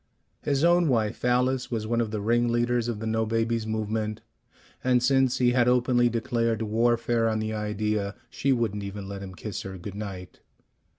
His own wife, Alice, was one of the ringleaders of the "no babies" movement, and since he had openly declared warfare on the idea, she wouldn't even let him kiss her good night.